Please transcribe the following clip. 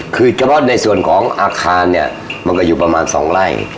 คือเฉพาะในส่วนของอาคารเนี่ยมันก็อยู่ประมาณ๒ไร่